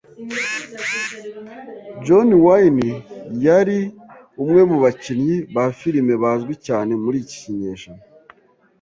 John Wayne yari umwe mu bakinnyi ba firime bazwi cyane muri iki kinyejana.